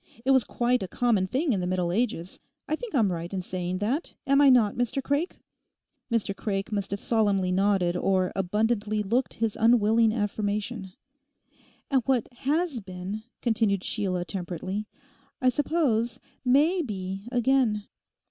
It was quite a common thing in the Middle Ages; I think I'm right in saying that, am I not, Mr Craik?' Mr Craik must have solemnly nodded or abundantly looked his unwilling affirmation. 'And what has been,' continued Sheila temperately, 'I suppose may be again.